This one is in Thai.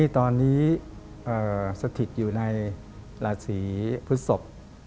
ตอนนี้สถิตอยู่ในราศีพฤศพ